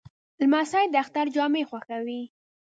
لمسی د اختر جامې خوښوي.